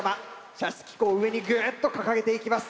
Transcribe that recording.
射出機構を上にグーッと掲げていきます。